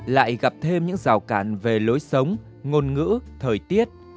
lại gặp thêm những rào cản về lối sống ngôn ngữ thời tiết